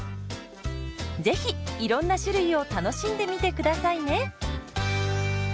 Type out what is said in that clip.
是非いろんな種類を楽しんでみて下さいね。